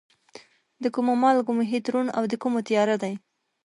د کومو مالګو محیط روڼ او د کومو تیاره دی؟